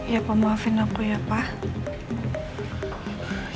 ya pak maafin aku ya pak